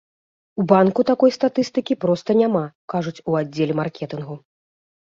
У банку такой статыстыкі проста няма, кажуць у аддзеле маркетынгу.